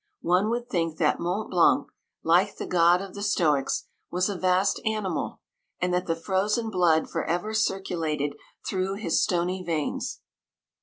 One would think that Mont Blanc, like the god of the Stoics, was a vast animal, and that the frozen blood for ever cir culated through his stony veins.